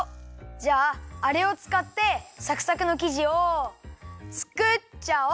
じゃああれをつかってサクサクのきじをつくっちゃおう！